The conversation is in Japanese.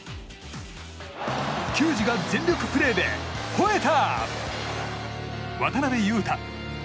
球児が全力プレーでほえた！